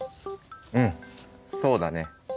うんそうだね。